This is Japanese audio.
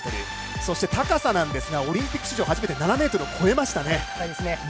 そして高さなんですがオリンピック史上初めて７ｍを越えましたね。